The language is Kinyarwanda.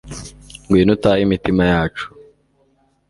ngwino utahe imitima yacu